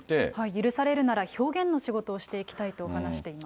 許されるなら表現の仕事をしていきたいと話しています。